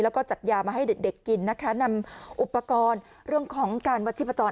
แล้วก็จัดยามาให้เด็กกินนำอุปกรณ์เรื่องของการวัดชิปศืนอาจารย์